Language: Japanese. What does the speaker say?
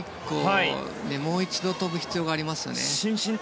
もう一度飛ぶ必要がありますね。